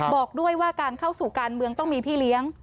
บอกด้วยว่าการเข้าสู่การเมืองต้องมีพี่เลี้ยง